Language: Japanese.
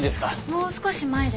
もう少し前で。